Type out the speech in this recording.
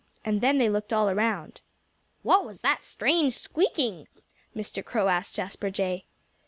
And then they looked all around. "What was that strange squeaking?" Mr. Crow asked Jasper Jay.